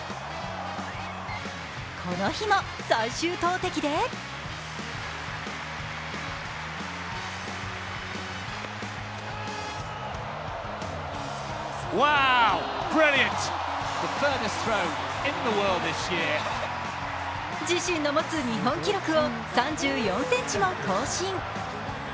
この日も最終投てきで自身の持つ日本記録を３４ｃｍも更新。